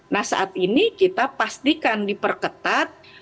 nah saat ini kita pastikan diperketat